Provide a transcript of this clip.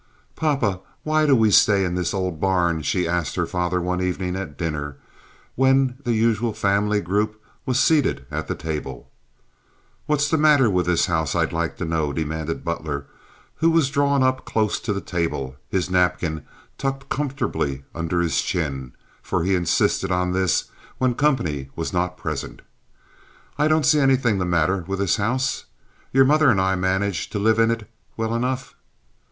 "Papa, why do we stay in this old barn?" she asked her father one evening at dinner, when the usual family group was seated at the table. "What's the matter with this house, I'd like to know?" demanded Butler, who was drawn up close to the table, his napkin tucked comfortably under his chin, for he insisted on this when company was not present. "I don't see anything the matter with this house. Your mother and I manage to live in it well enough."